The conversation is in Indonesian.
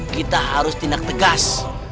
kita harus tindak tegas